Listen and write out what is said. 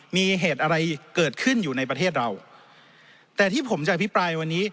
มีเหตุอะไรเกิดขึ้นอยู่ในประเทศเราแต่ที่ผมจะอภิปรายวันนี้